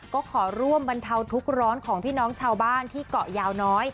ก็ขอร่วมบรรเทาทุกร้อนของพี่น้องชาวบ้านที่เกาะยาวน้อย